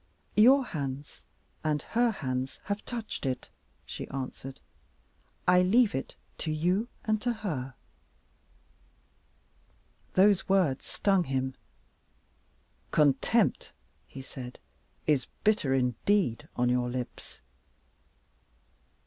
"Your hands and her hands have touched it," she answered. "I leave it to you and to her." Those words stung him. "Contempt," he said, "is bitter indeed on your lips."